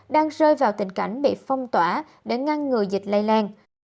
đang rơi vào tình cảnh bị phong tỏa để ngăn ngừa dịch lây lan